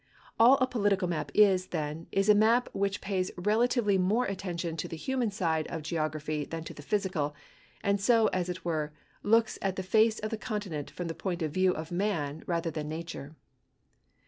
All a political map is, then, is a map which pays relatively more attention to the human side of geography than to the physical, and so, as it were, looks at the face of the continent from the point of view of man rather than nature.